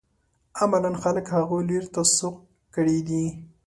عملاً خلک هغه لوري ته سوق کړي دي.